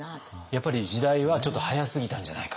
やっぱり時代はちょっと早すぎたんじゃないか。